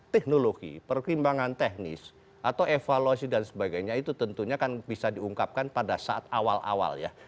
teknologi perkembangan teknis atau evaluasi dan sebagainya itu tentunya kan bisa diungkapkan pada saat awal awal ya